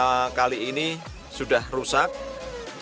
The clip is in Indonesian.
kalau tidak ada perbaikan akan semakin rusak lagi di tahun depan